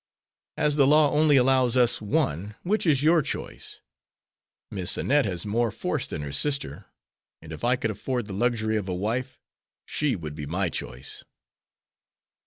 As the law only allows us one, which is your choice? Miss Annette has more force than her sister, and if I could afford the luxury of a wife she would be my choice."